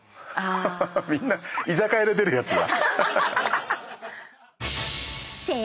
みんな居酒屋で出るやつだ。